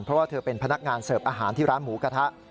เพราะว่าเธอเป็นพนักงานเสิร์ฟอาหารที่ร้านหมูกระทะ